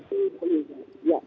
ketujuan itu rumah